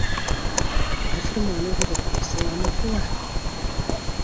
Ein fan 'e moanne wurde de earste lammen ferwachte.